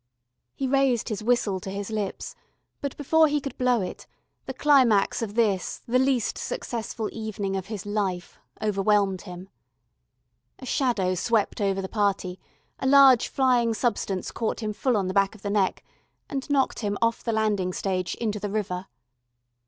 He raised his whistle to his lips, but before he could blow it, the climax of this the least successful evening of his life, overwhelmed him. A shadow swept over the party, a large flying substance caught him full on the back of the neck and knocked him off the landing stage into the river.